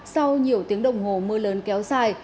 sau nhiều tiếng đồng hồ mưa lớn kéo dài